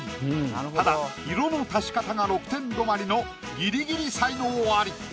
ただ色の足し方が６点止まりのギリギリ才能アリ。